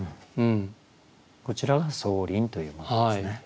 こちらが「相輪」というものですね。